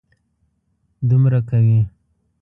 دومرنګه کوي.